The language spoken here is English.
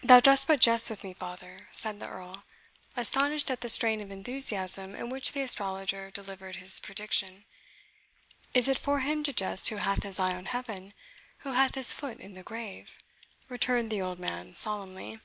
"Thou dost but jest with me, father," said the Earl, astonished at the strain of enthusiasm in which the astrologer delivered his prediction. "Is it for him to jest who hath his eye on heaven, who hath his foot in the grave?" returned the old man solemnly.